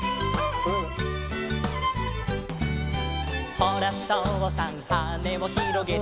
「ほらとうさんはねをひろげて」